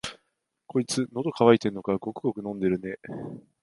こいつ、のど渇いてんのか、ごくごく飲んでるね。